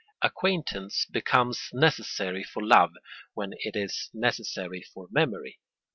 Acquaintance becomes necessary for love when it is necessary for memory.